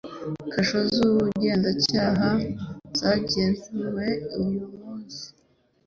kasho z ubugenzacyaha zagenzuwe uyu munsi